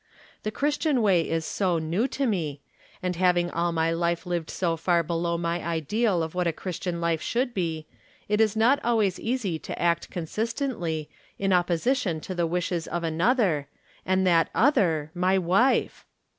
The Christian way is so new to me ; and, having all my life lived so far below my ideal of what a Christian life should be, it is not always easy to act consistently, in opposition to the wishes of another, and that other — my wife